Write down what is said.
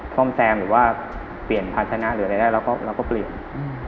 ซ่อมแซมหรือว่าเปลี่ยนภาชนะหรืออะไรได้แล้วก็เราก็เปลี่ยนอืม